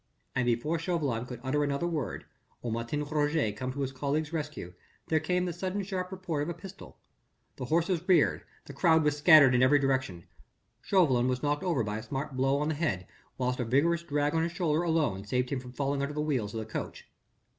And before Chauvelin could utter another word or Martin Roget come to his colleague's rescue, there came the sudden sharp report of a pistol; the horses reared, the crowd was scattered in every direction, Chauvelin was knocked over by a smart blow on the head whilst a vigorous drag on his shoulder alone saved him from falling under the wheels of the coach.